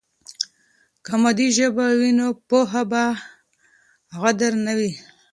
که مادي ژبه وي نو په پوهه کې غدر نه وي.